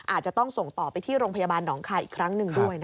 อาจจะต้องส่งต่อไปที่โรงพยาบาลหนองคายอีกครั้งหนึ่งด้วย